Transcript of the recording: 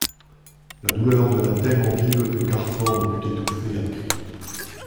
La douleur devint tellement vive que Carfor ne put étouffer un cri.